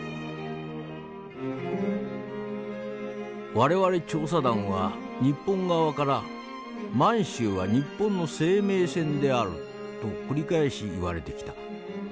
「我々調査団は日本側から『満州は日本の生命線である』と繰り返し言われてきた。